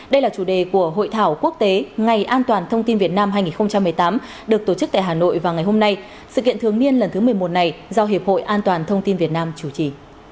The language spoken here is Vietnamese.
đây là chủ đề của hội thảo quốc tế ngày an toàn thông tin việt nam hai nghìn một mươi tám được tổ chức tại hà nội vào ngày hôm nay sự kiện thường niên lần thứ một mươi một này do hiệp hội an toàn thông tin việt nam chủ trì